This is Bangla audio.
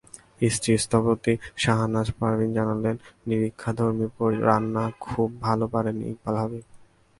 স্ত্রী স্থপতি শাহনাজ পারভীন জানালেন, নিরীক্ষাধর্মী রান্না খুব ভালো পারেন ইকবাল হাবিব।